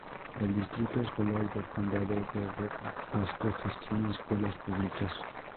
El Distrito Escolar del Condado de Pasco gestiona escuelas públicas.